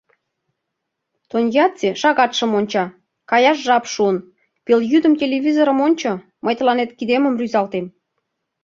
Тоньяцци шагатшым онча — каяш жап шуын: «Пелйӱдым телевизорым ончо, мый тыланет кидемым рӱзалтем...»